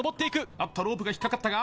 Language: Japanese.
あっと、ロープが引っ掛かったか。